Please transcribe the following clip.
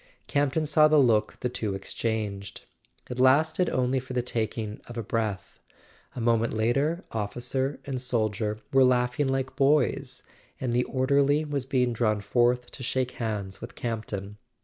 Campton saw the look the two exchanged: it lasted only for the taking of a breath; a moment later officer and soldier were laughing like boys, and the orderly was being drawn forth to shake hands with Campton.